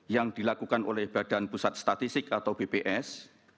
yang dilakukan oleh badan pusat statistik atau bps